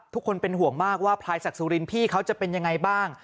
ทุกคนเป็นห่วงมากว่าพลายศักดิ์สุรินพี่เขาจะเป็นยังไงบ้าง